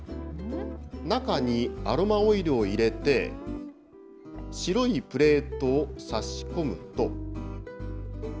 中にアロマオイルを入れて、白いプレートを差し込むと。